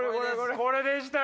これでしたよ。